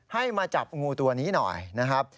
ให้มาจับงูตัวนี้หน่อยนะครับ